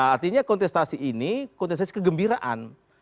artinya kontestasi ini kontestasi kegembiraan